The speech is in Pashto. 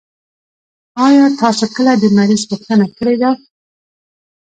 آيا تاسو کله د مريض پوښتنه کړي ده؟